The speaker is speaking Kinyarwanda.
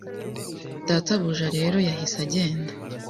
Databuja rero yahise agenda